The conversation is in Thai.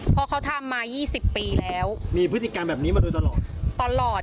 เพราะเขาทำมายี่สิบปีแล้วมีพฤติกรรมแบบนี้มาโดยตลอดตลอด